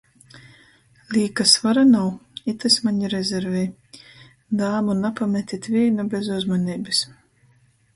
Līka svora nav, itys maņ rezervei... Dāmu napametit vīnu bez uzmaneibys...